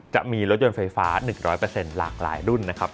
จะมีรถยนต์ไฟฟ้า๑๐๐หลากหลายรุ่นนะครับ